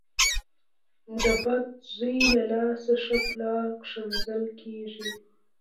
ـ د بد زوی له لاسه ښه پلار کنځل کېږي .